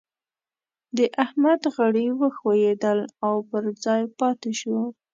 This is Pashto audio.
د احمد غړي وښوئېدل او پر ځای پاته شو.